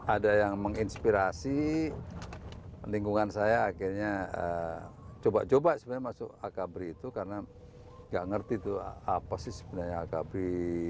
ada yang menginspirasi lingkungan saya akhirnya coba coba sebenarnya masuk akbri itu karena gak ngerti tuh apa sih sebenarnya akabri